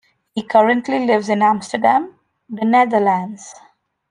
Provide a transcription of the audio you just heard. He currently lives in Amsterdam, the Netherlands.